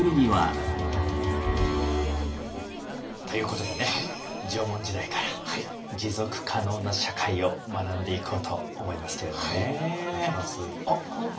ということでね縄文時代から持続可能な社会を学んでいこうと思いますけれどもね。